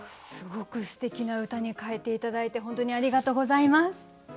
すごくすてきな歌に変えて頂いて本当にありがとうございます。